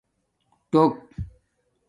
ٹݸک